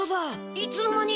いつの間に。